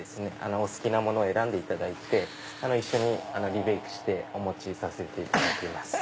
お好きなものを選んでいただいて一緒にリベークしてお持ちさせていただきます。